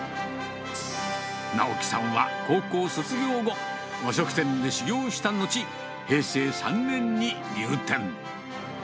尚紀さんは高校卒業後、和食店で修業をしたのち、平成３年に入店。